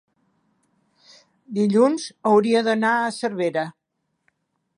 dilluns hauria d'anar a Cervera.